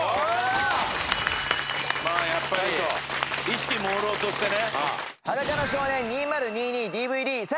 まあやっぱり意識朦朧としてね。